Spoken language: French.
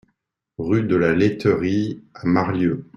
Rue de la Laiterie à Marlieux